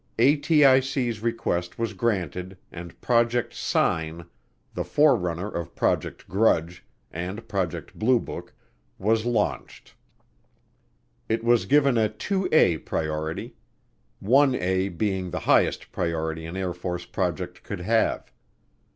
ATICs request was granted and Project Sign, the forerunner of Project Grudge and Project Blue Book, was launched. It was given a 2A priority, 1A being the highest priority an Air Force project could have.